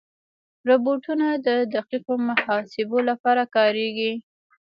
روبوټونه د دقیقو محاسبو لپاره کارېږي.